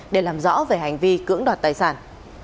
để làm rõ về hành vi cưỡng đoạt tài sản